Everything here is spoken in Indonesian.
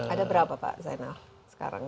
ada berapa pak zainal sekarang